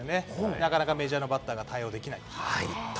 なかなかメジャーのバッターが対応できないんです。